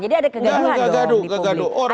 jadi ada kegaduhan dong di publik